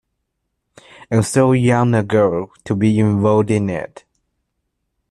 And so young a girl to be involved in it!